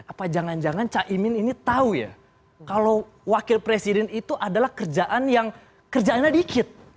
apa jangan jangan cak imin ini tahu ya kalau wakil presiden itu adalah kerjaan yang kerjaannya dikit